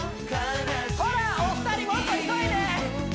ほらお二人もっと急いで！